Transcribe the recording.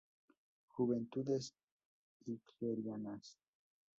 Juventudes Hitlerianas.